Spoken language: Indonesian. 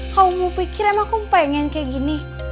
kamu mau pikir emang aku pengen kayak gini